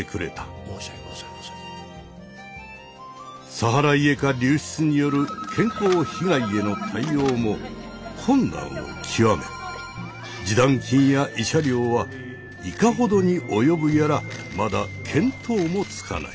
サハライエカ流出による健康被害への対応も困難を極め示談金や慰謝料はいかほどに及ぶやらまだ見当もつかない。